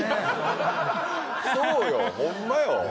そうよホンマよ。